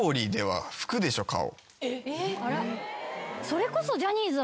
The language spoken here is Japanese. それこそ。